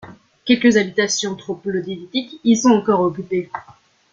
Quelques habitations troglodytiques y sont encore occupées.